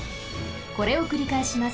これをくりかえします。